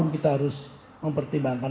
kita harus mempertimbangkan